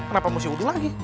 kenapa mau siudu lagi